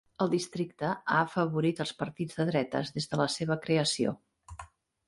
El districte ha afavorit els partits de dretes des de la seva creació.